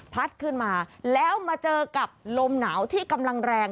พัดขึ้นมาแล้วมาเจอกับลมหนาวที่กำลังแรง